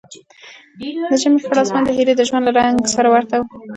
د ژمي خړ اسمان د هیلې د ژوند له رنګ سره ورته و.